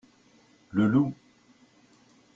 Le loup.